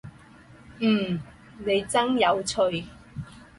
嗯，您真有趣